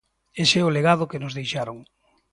Ese é o legado que nos deixaron.